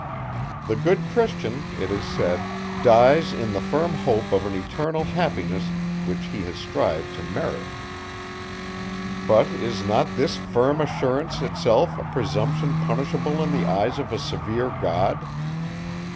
The good Christian, it is said, dies in the firm hope of an eternal happiness which he has strived to merit. But is not this firm assurance itself a presumption punishable in the eyes of a severe God?